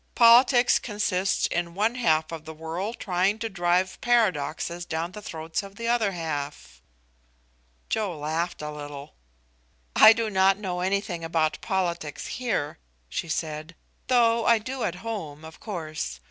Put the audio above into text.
Politics consist in one half of the world trying to drive paradoxes down the throats of the other half." Joe laughed a little. "I do not know anything about politics here," she said, "though I do at home, of course.